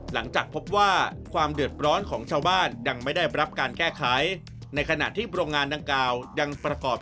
หลังจากพบว่าความเดือดร้อนของชาวบ้านยังไม่ได้รับการแก้ไขในขณะที่โรงงานดังกล่าวยังประกอบ